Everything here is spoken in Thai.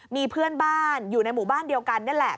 มีเพื่อนบ้านอยู่ในหมู่บ้านเดียวกันนี่แหละ